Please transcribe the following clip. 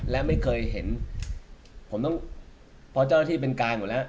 และไม่เคยเห็นผมต้องเพราะเจ้าหน้าที่เป็นกลางอยู่แล้ว